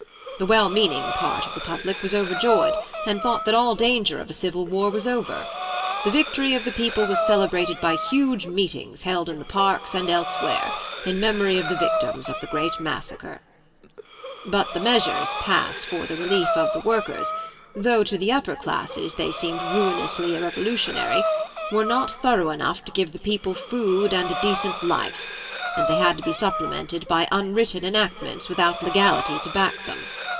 The well meaning part of the public was overjoyed, and thought that all danger of a civil war was over. The victory of the people was celebrated by huge meetings held in the parks and elsewhere, in memory of the victims of the great massacre. "But the measures passed for the relief of the workers, though to the upper classes they seemed ruinously revolutionary, were not thorough enough to give the people food and a decent life, and they had to be supplemented by unwritten enactments without legality to back them.